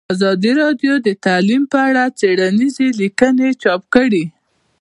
ازادي راډیو د تعلیم په اړه څېړنیزې لیکنې چاپ کړي.